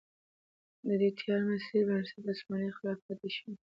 د دې تیاره مسیر بنسټ عثماني خلافت ایښی و.